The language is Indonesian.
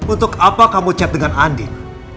untuk apa kamu chat dengan andien